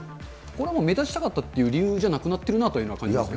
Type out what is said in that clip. これはもう、目立ちたかったという理由じゃなくなってるなという感じがします